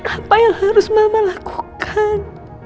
apa yang harus mama lakukan